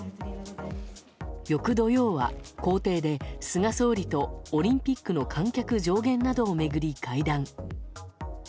翌土曜は公邸で菅総理とオリンピックの観客上限などを巡り会談。